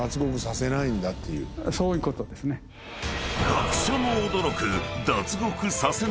［学者も驚く］